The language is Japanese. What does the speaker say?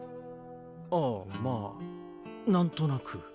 ああまなんとなく。